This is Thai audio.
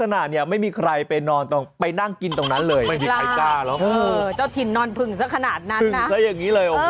แล้วมันนอนเป็นคน